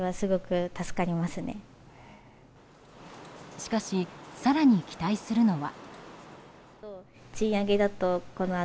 しかし、更に期待するのは。